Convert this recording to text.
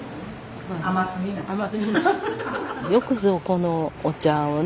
よくぞこのお茶をね